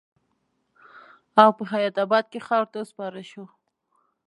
او پۀ حيات اباد کښې خاورو ته وسپارل شو